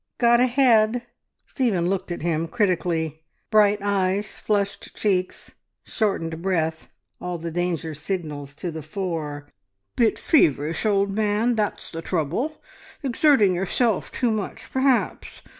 Got a head " Stephen looked at him critically. Bright eyes, flushed cheeks, shortened breath, all the danger signals to the fore. "Bit feverish, old man, that's the trouble! Exerting yourself too much perhaps.